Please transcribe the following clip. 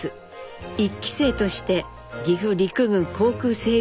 １期生として岐阜陸軍航空整備